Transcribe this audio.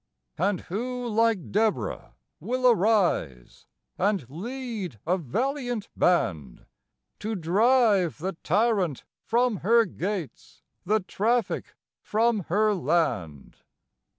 And who, like Deborah, will arise and lead a valiant band To drive the Tyrant from her gates, the Traffic from her land?